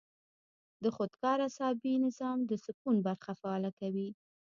د خودکار اعصابي نظام د سکون برخه فعاله کوي -